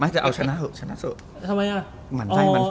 ไม่จะเอาชนะเถอะชนะเถอะ